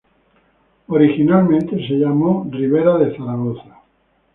Originalmente se llamó Rivera de Zaragoza.